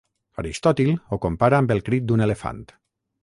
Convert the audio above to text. Aristòtil ho compara amb el crit d'un elefant.